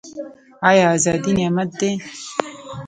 آیا ازادي نعمت دی؟